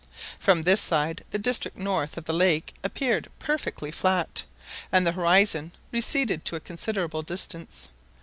From this side the district north of the lake appeared perfectly flat, and the horizon receded to a considerable distance.